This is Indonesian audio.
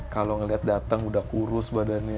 kalau ngeliat datang udah kurus badannya